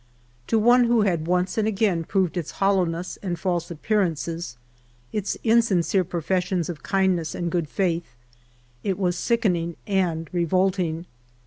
To one who had once and again proved its holUjwness and faJse ap pearances, its insincere professions of kindness and good faith, it was sickening and revolting.